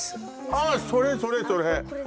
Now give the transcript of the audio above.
ああそれそれそれあっ